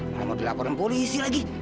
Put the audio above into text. mau dilaporin polisi lagi